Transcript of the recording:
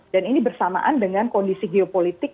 dan ini bersamaan dengan kondisi geopolitik